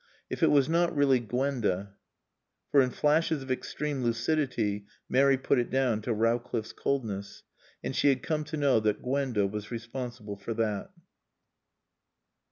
If it was not really Gwenda. For in flashes of extreme lucidity Mary put it down to Rowcliffe's coldness. And she had come to know that Gwenda was responsible for that.